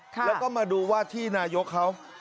แล้วก็มาดูว่าที่นายกเขา